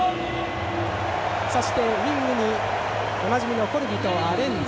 そして、ウイングにおなじみのコルビとアレンザ。